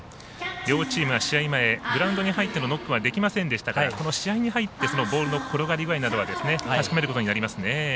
両チームは、試合前グラウンドに入ってのノックはできませんでしたが試合に入ってボールの転がり具合などは確かめることになりますね。